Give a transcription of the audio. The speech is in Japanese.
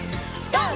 ＧＯ！